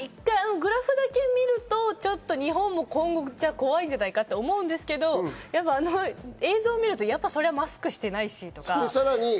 グラフだけ見ると日本も今後、怖いんじゃないかと思うんですけど、あの映像を見ると、やっぱそりゃマスクしてないしって。